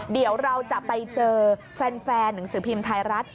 เดี๋ยวเราจะไปเจอแฟนหนังสือพิมพ์ไทยรัฐ